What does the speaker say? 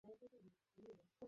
সে এখানেই আছে।